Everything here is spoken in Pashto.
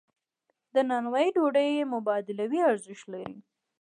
د نانوایی ډوډۍ مبادلوي ارزښت لري.